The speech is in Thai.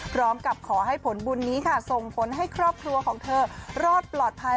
พร้อมกับขอให้ผลบุญนี้ค่ะส่งผลให้ครอบครัวของเธอรอดปลอดภัย